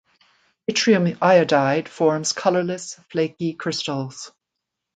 Yttrium iodide forms colorless flaky crystals.